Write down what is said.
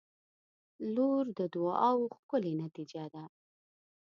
• لور د دعاوو ښکلی نتیجه ده.